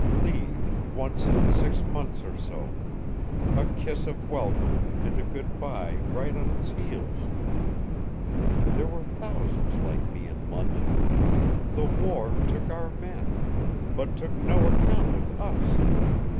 Leave once in six months or so. A kiss of welcome and a good by right on its heels. There were thousands like me in London. The war took our men but took no account of us.